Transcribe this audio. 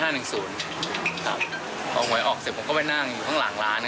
พอหวยออกเสร็จผมก็ไปนั่งอยู่ข้างหลังร้าน